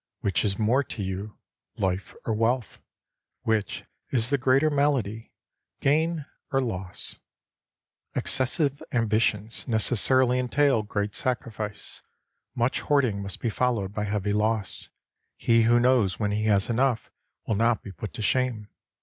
Which is more to you, life or wealth ? Which is the greater malady, gain or loss ? Excessive ambitions necessarily entail great sacrifice. Much hoarding must be followed by heavy loss. He who knows when he has enough will not be put to shame.